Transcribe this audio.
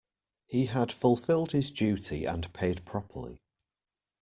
He had fulfilled his duty and paid properly.